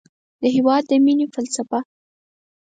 د هېواد د مینې فلسفه